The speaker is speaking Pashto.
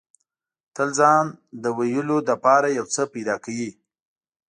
تل ځان له د ویلو لپاره یو څه پیدا کوي.